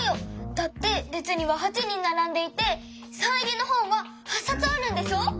だってれつには８人ならんでいてサイン入りのほんは８さつあるんでしょ？